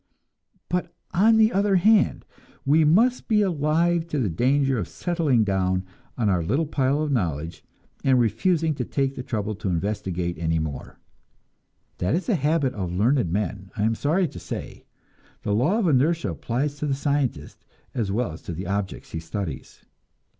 But, on the other hand, we must be alive to the danger of settling down on our little pile of knowledge, and refusing to take the trouble to investigate any more. That is a habit of learned men, I am sorry to say; the law of inertia applies to the scientist, as well as to the objects he studies.